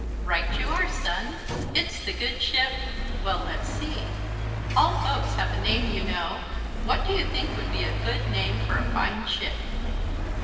"Right you are, Son. It's the Good Ship well, let's see. All boats have a name, you know. What do you think would be a good name for a fine ship?"